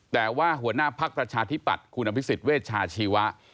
แต่ว่าหัวหน้าพักประชาธิปัตย์คุณอภิษฎเวชาชีวะ